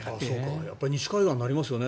やっぱり西海岸になりますよね。